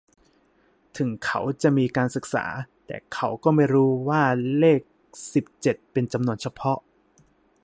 ถึงเขาจะมีการศึกษา แต่เขาก็ไม่รู้ว่าเลขสิบเจ็ดเป็นจำนวนเฉพาะ